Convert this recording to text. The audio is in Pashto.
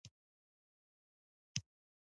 خور او اولادونه یې هم موږ ولیدل.